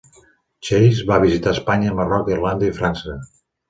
"Chase" va visitar Espanya, Marroc, Irlanda i França.